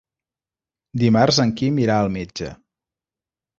Dimarts en Quim irà al metge.